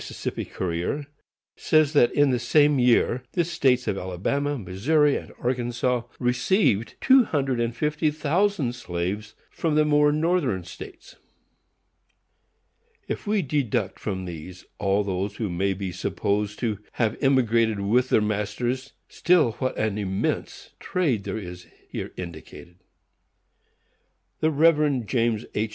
Courier says that in the same year the States of Alabama, Missouri and Arkansas, received two hundred and fifty thousand slaves from the more northern states. If we deduct from these all who may be supposed to have emigrated with their masters, still what an immense trade is here indicated! The Rev. James H.